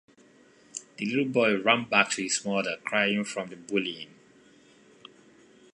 The little boy ran back to his mother, crying from the bullying.